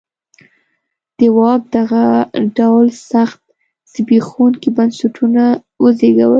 د واک دغه ډول سخت زبېښونکي بنسټونه وزېږول.